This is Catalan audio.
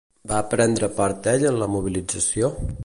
Va prendre part ell en la mobilització?